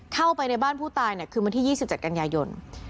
เข้าไปในบ้านผู้ตายคืนวันที่๒๗กันยายน